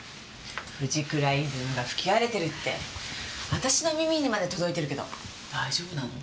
藤倉イズムが吹き荒れてるって私の耳にまで届いてるけど大丈夫なの？